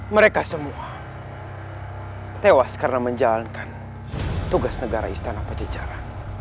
mereka semua tewas karena menjalankan tugas negara istana pajajaran